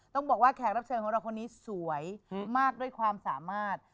ต้องบอกว่าแขกรับเชิญของเราคนนี้สวยมากด้วยความสามารถ